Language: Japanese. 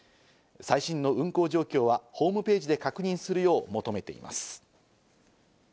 最新の運航状況はホームページで確認するよう求めています。